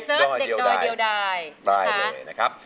เสิร์ชเด็กดอยเดียวได้เลยนะครับ